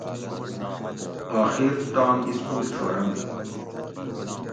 آخیر تام اِسکول چھورنت